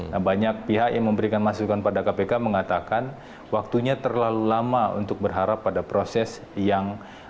nah banyak pihak yang memberikan masukan pada kpk mengatakan waktunya terlalu lama untuk berharap pada proses yang